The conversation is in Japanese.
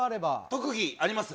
特技あります。